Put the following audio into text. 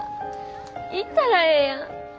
行ったらええやん。